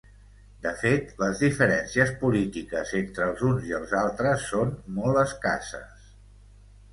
De fet, les diferències polítiques entre els uns i els altres són molt escasses.